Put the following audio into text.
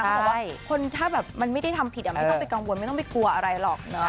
บอกว่าคนถ้าแบบมันไม่ได้ทำผิดไม่ต้องไปกังวลไม่ต้องไปกลัวอะไรหรอกเนาะ